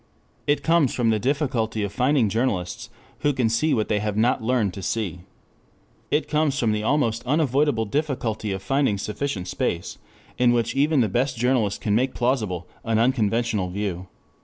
It comes from the difficulty of finding journalists who can see what they have not learned to see. It comes from the almost unavoidable difficulty of finding sufficient space in which even the best journalist can make plausible an unconventional view.